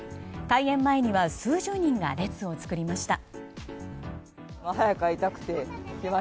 開園前には数十人が列を作りました。